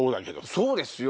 そうですよ。